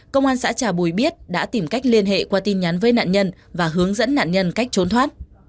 công an xã trà bùi biết đã tìm cách liên hệ qua tin nhắn với nạn nhân và hướng dẫn nạn nhân cách trốn thoát